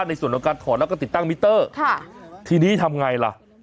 ในส่วนของการถอดแล้วก็ติดตั้งมิเตอร์ค่ะทีนี้ทำไงล่ะ